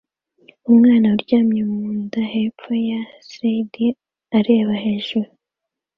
Umwana uryamye mu nda hepfo ya slide areba hejuru